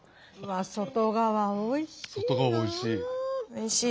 外側おいしい。